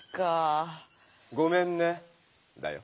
「ごめんね」だよ。